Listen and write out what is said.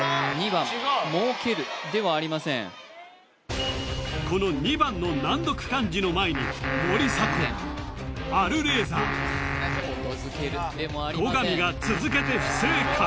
２番「もうける」ではありませんこの２番の難読漢字の前に森迫やあるレーザー後上が続けて不正解